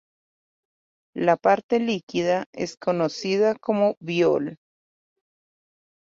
La parte líquida es conocida como biol.